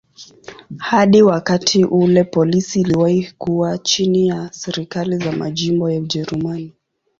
Hadi wakati ule polisi iliwahi kuwa chini ya serikali za majimbo ya Ujerumani.